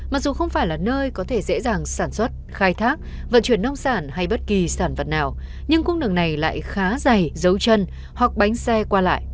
mặc dù không phải là nơi có thể dễ dàng sản xuất khai thác vận chuyển nông sản hay bất kỳ sản vật nào nhưng cung đường này lại khá dày dấu chân hoặc bánh xe qua lại